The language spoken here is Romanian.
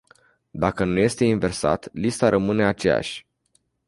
Dacă nu este inversat, lista rămâne aceeași.